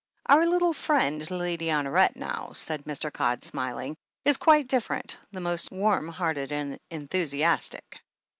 "Our little friend, Lady Honoret, now," said Mr. Codd, smiling, "is quite different — ^most warm hearted and enthusiastic."